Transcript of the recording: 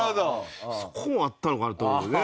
そこもあったのかなと思うね。